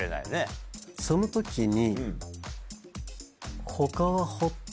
その時に。